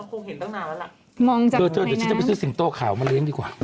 เจอยังยังเดี๋ยวจะไปซื้อสิงโตขาวมาเลี้ยงดีกว่า